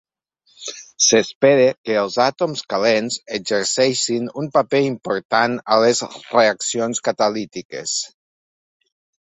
S'espera que els àtoms calents exerceixin un paper important a les reaccions catalítiques.